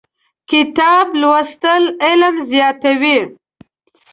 کتاب لوستل علم زیاتوي.